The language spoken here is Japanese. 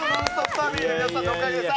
ファミリーの皆さんのおかげです。